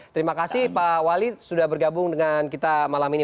terima kasih pak wali sudah bergabung dengan kita malam ini